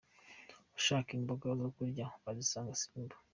Ushaka imboga zo kurya wazisanga Simba.